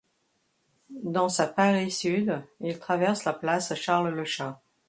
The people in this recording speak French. Dans sa parie sud, il traverse la place Charles-Lechat.